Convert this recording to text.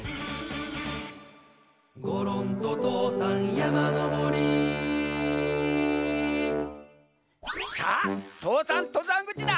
「ごろんととうさんやまのぼり」さあ父山とざんぐちだ。